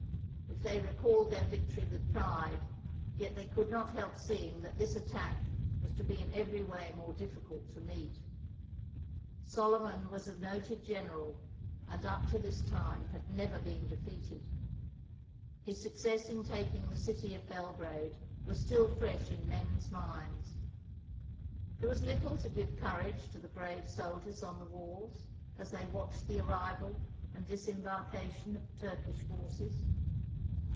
If they recalled their victory with pride, yet they could not help seeing that this at tack was to be in every way more difficult to meet. Solyman was a noted general, and up to this time had never been defeated. His success in taking the city of Belgrade was still fresh in men's minds. There was little to give courage to the brave soldiers on the walls, as they watched the arrival and dis embarkation of the Turkish forces.